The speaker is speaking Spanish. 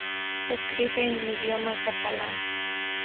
Escribe en idioma catalán.